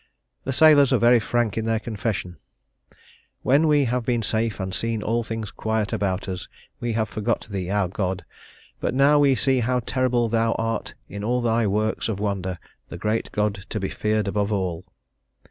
The sailors are very frank in their confession: "When we have been safe and seen all things quiet about us, we have forgot thee, our God... But now we see how terrible thou art in all thy works of wonder; the great God to be feared above all."